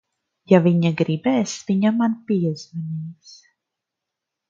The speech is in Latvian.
Ja viņa gribēs, viņa man piezvanīs.